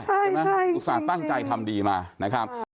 ใช่จริงใช่ไหมอุตส่างตั้งใจทำดีมานะครับ